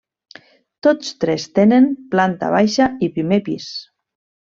Tots tres tenen planta baixa i primer pis.